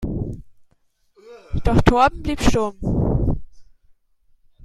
Doch Torben blieb stumm.